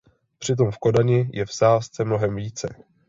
Přitom v Kodani je v sázce mnohem více.